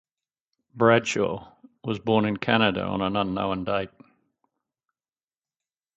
Bradshaw was born in Canada on an unknown date.